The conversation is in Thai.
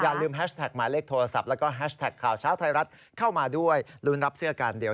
ลืมแฮชแท็กหมายเลขโทรศัพท์แล้วก็แฮชแท็กข่าวเช้าไทยรัฐเข้ามาด้วยลุ้นรับเสื้อกันเดี๋ยว